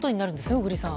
小栗さん。